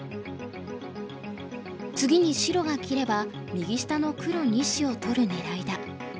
次に白が切れば右下の黒２子を取る狙いだ。